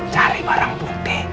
cari barang bukti